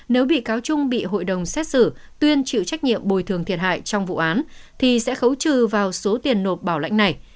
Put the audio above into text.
giao trung bị hội đồng xét xử tuyên chịu trách nhiệm bồi thường thiệt hại trong vụ án thì sẽ khấu trừ vào số tiền nộp bảo lãnh này